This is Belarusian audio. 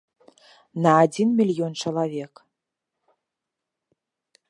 На адзін мільён чалавек.